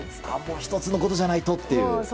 １つのことじゃないとという。